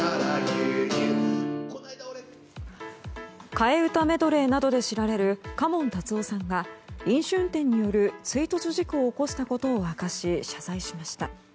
替え歌メドレーなどで知られる、嘉門タツオさんが飲酒運転による追突事故を起こしたことを明かし謝罪しました。